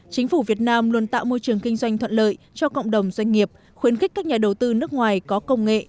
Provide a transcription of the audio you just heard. chính phủ việt nam luôn tạo môi trường kinh doanh thuận lợi cho cộng đồng doanh nghiệp khuyến khích các nhà đầu tư nước ngoài có công nghệ